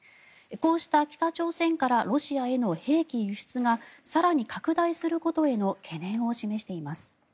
こうした北朝鮮からロシアへの兵器輸出が更に拡大することへの懸念を示しています。